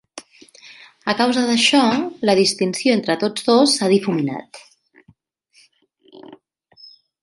A causa d'això, la distinció entre tots dos s'ha difuminat.